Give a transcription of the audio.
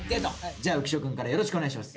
じゃあ浮所くんからよろしくお願いします。